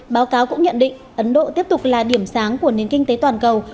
báo cáo cũng nhận định ấn độ tiếp tục là điểm sáng của nền kinh tế toàn cầu